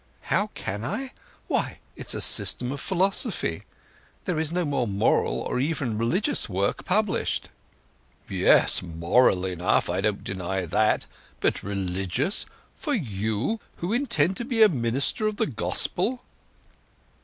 "How can I? Why—it is a system of philosophy. There is no more moral, or even religious, work published." "Yes—moral enough; I don't deny that. But religious!—and for you, who intend to be a minister of the Gospel!"